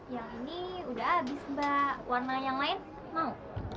yang ini udah habis mbak warna yang lain mau